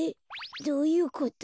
どういうこと？